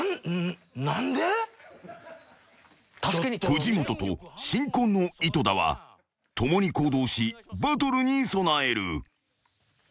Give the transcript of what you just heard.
［藤本と新婚の井戸田は共に行動しバトルに備える］